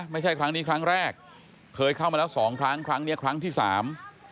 ไม่ใช่ครั้งนี้ครั้งแรกเคยเข้ามาแล้วสองครั้งครั้งเนี้ยครั้งที่สาม